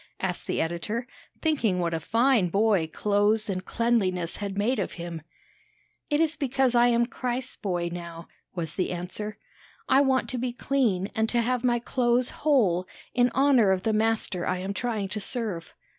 asked the editor, thinking what a fine boy clothes and cleanliness had made of him. "It is because I am Christ's boy now," was the answer. "I want to be clean and to have my clothes whole in honor of the Master I am trying to serve."